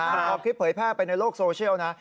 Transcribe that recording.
พอคลิปเผยแพร่ไปในโลกโซเชียลนะ